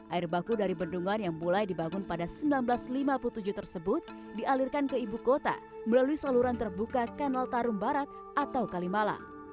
air baku dari bendungan yang mulai dibangun pada seribu sembilan ratus lima puluh tujuh tersebut dialirkan ke ibu kota melalui saluran terbuka kanal tarum barak atau kalimalang